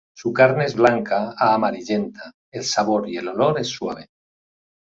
Su carne es blanca a amarillenta, el sabor y el olor es suave.